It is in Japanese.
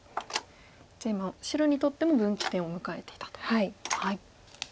じゃあ今白にとっても分岐点を迎えていたと。